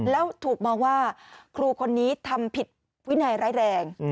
แล้วถูกมองว่าครูคนนี้ทำผิดวินัยร้ายแรง